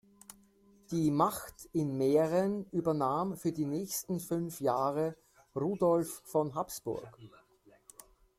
Die Macht in Mähren übernahm für die nächsten fünf Jahre Rudolf von Habsburg.